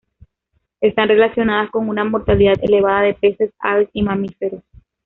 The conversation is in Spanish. Están relacionadas con una mortalidad elevada de peces, aves y mamíferos.